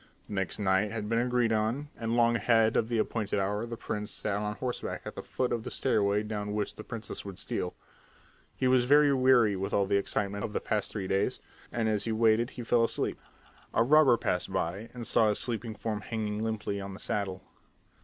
The next night had been agreed on, and long ahead of the appointed hour the prince sat on horseback at the foot of the stairway down which the princess would steal. He was very weary with all the excitement of the past three days, and as he waited he fell asleep. A robber passed by and saw his sleeping form hanging limply on the saddle.